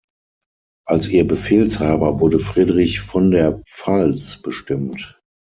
Als ihr Befehlshaber wurde Friedrich von der Pfalz bestimmt.